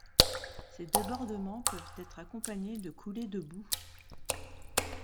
Ces débordements peuvent être accompagnés de coulées de boue.